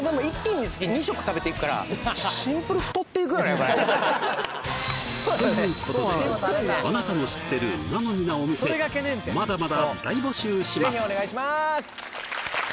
今回のマジでということであなたの知ってる「なのに」なお店まだまだ大募集します！